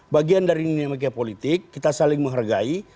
bagian dari dinamika politik kita saling menghargai